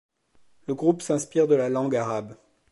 Le groupe s'inspire de la langue arabe.